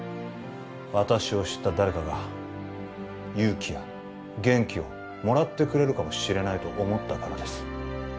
私を知った誰かが勇気や元気をもらってくれるかもしれないと思ったからです